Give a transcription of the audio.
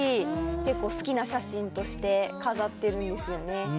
結構好きな写真として飾ってるんですよね。